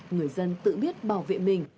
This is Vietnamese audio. người dân tự biết bảo vệ mình